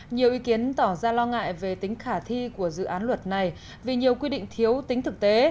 nhiều ý kiến tỏ ra lo ngại về tính khả thi của dự án luật này vì nhiều quy định thiếu tính thực tế